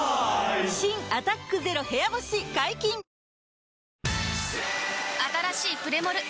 新「アタックＺＥＲＯ部屋干し」解禁‼あたらしいプレモル！